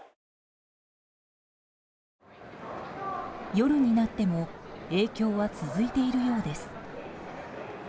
夜になっても影響は続いているようです。